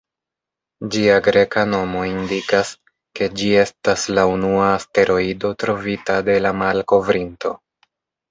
Ĝia greka nomo indikas, ke ĝi estas la unua asteroido trovita de la malkovrinto.